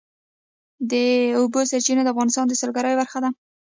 د اوبو سرچینې د افغانستان د سیلګرۍ برخه ده.